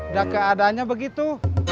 gak keadaannya begitu